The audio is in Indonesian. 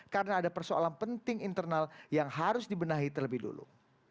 karena ada persoalan penting internal yang harus dibenahi terlebih dulu